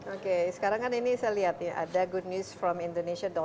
oke sekarang kan ini saya lihat ya ada good news from indonesia